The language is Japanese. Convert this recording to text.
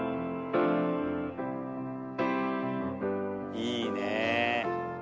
いいねぇ。